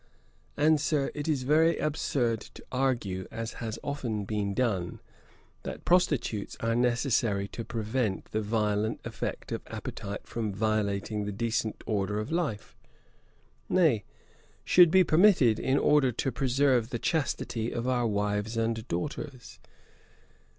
And, Sir, it is very absurd to argue, as has been often done, that prostitutes are necessary to prevent the violent effects of appetite from violating the decent order of life; nay, should be permitted, in order to preserve the chastity of our wives and daughters.